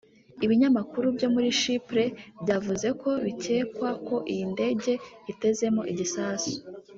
Ibinyamakuru byo muri Chypre byavuze ko bikekwa ko iyi ndege itezemo igisasu